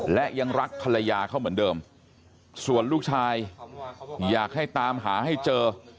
และยังรักภรรยาเขาเหมือนเดิมส่วนลูกชายอยากให้ตามหาให้เจอ